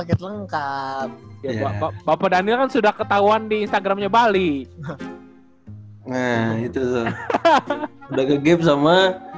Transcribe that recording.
nget lengkap bapak daniel sudah ketahuan di instagramnya bali nah itu udah ke game sama